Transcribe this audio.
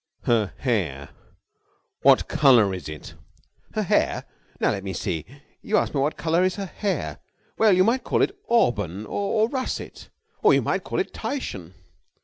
"Her hair! What colour is it?" "Her hair? Now, let me see. You ask me what colour is her hair. Well, you might call it auburn ... or russet ... or you might call it Titian...."